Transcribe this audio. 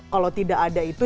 kalau tidak ada itu